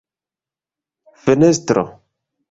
fenestro